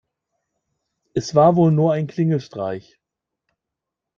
Es war wohl nur ein Klingelstreich.